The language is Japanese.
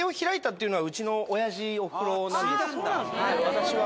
私は。